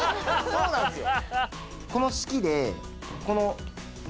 そうなんすよ。